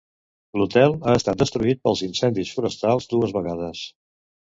L'hotel ha estat destruït pels incendis forestals dues vegades.